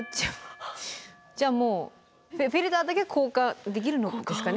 じゃあもうフィルターだけ交換できるんですかね。